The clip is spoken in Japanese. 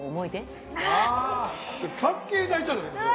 それ関係ないじゃない。